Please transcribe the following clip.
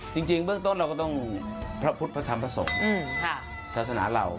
จริงเราก็ต้องพระพุทธพระธรรมพระศกศาสนาเหล่า